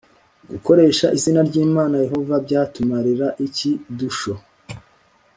gukoresha izina ry Imana Yehova byatumarira iki Dusho